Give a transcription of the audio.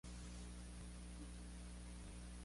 Sensible a la podredumbre, el sustrato debe ser poroso.